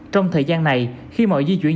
trong thời gian này khi mọi di chuyển